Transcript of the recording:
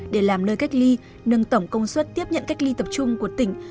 để làm nơi cách ly nâng tổng công suất tiếp nhận cách ly tập trung của tỉnh